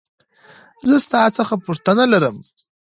زه ستا څخه پوښتنه لرمه .